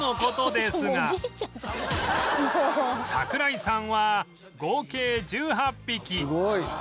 櫻井さんは合計１８匹